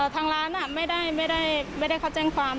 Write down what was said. ทางร้านไม่ได้เขาแจ้งความ